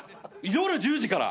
夜１０時から。